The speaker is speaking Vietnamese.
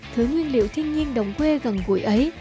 thứ nguyên liệu thiên nhiên đồng quê gần gũi ấy